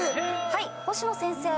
はい星野先生。